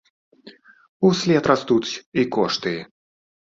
Услед растуць і кошты.